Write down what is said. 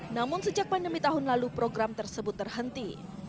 namun sejak pandemi tahun lalu program tersebut terhenti